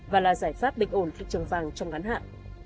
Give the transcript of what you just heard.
và là giải pháp bình ổn thị trường vàng trong ngắn hạn